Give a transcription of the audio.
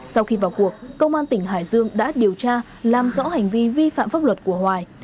sau khi vào cuộc công an tỉnh hải dương đã điều tra làm rõ hành vi vi phạm pháp luật của hoài